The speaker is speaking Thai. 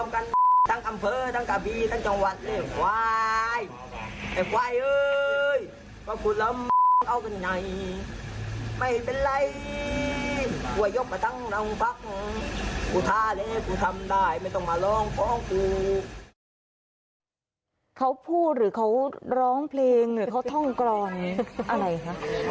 เขาพูดหรือเขาร้องเพลงหรือเขาท่องกรอนอะไรคะ